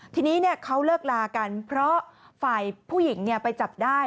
ทีนี้เขาเลิกลากันเพราะฝ่ายผู้หญิงไปจับได้